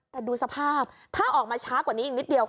แต่ดูสภาพถ้าออกมาช้ากว่านี้อีกนิดเดียว